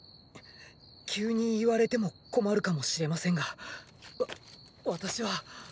急に言われても困るかもしれませんがわ私は。